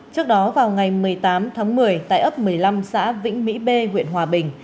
trước đó vào ngày một mươi tám tháng một mươi tại ấp một mươi năm xã vĩnh mỹ b huyện hòa bình